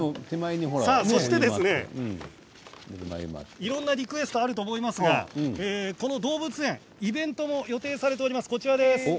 いろんなリクエストあるとは思いますがこの動物園イベントも予定されております。